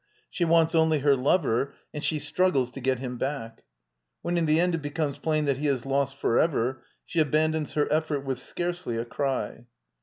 She wants only her lover and she struggles to get him back. IWhen in the end it becomes plain that he is lost forever, she abandons her effort with scarcely a cry.